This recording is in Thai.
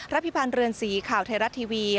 พิพันธ์เรือนสีข่าวไทยรัฐทีวี